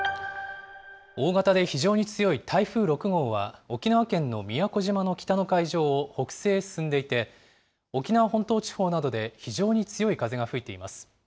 大型で非常に強い台風６号は、沖縄県の宮古島の北の海上を北西へ進んでいて、沖縄本島地方などで非常に強い風が吹いています。